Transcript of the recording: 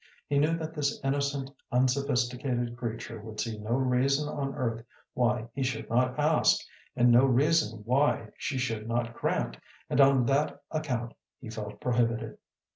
He knew that this innocent, unsophisticated creature would see no reason on earth why he should not ask, and no reason why she should not grant, and on that account he felt prohibited.